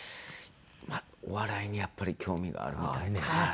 お笑いにやっぱり興味があるみたいで。